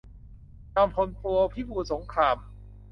จอมพล ป. พิบูลสงคราม